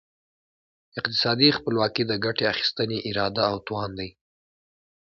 اقتصادي خپلواکي د ګټې اخیستني اراده او توان دی.